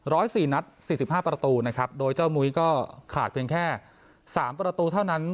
สี่นัดสี่สิบห้าประตูนะครับโดยเจ้ามุ้ยก็ขาดเพียงแค่สามประตูเท่านั้น